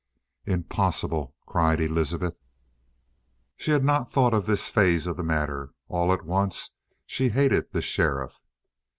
"Impossible!" cried Elizabeth. She had not thought of this phase of the matter. All at once she hated the sheriff.